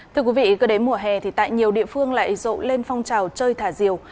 thưa quý vị cơ đế mùa hè thì tại nhiều địa phương lại rộ lên phong trào chơi thả diều